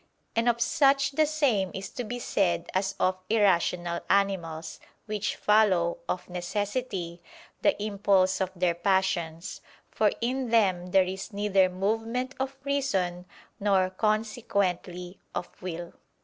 And of such the same is to be said as of irrational animals, which follow, of necessity, the impulse of their passions: for in them there is neither movement of reason, nor, consequently, of will.